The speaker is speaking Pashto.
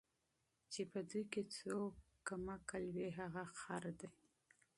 چی په دوی کی څوک احمق وي هغه خر دی